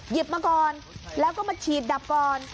มาก่อนแล้วก็มาฉีดดับก่อน